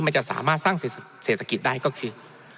มันจะสามารถสร้างเศรษฐกิจได้ก็คือ